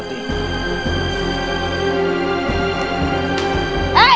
aku tidak akan mengkhianati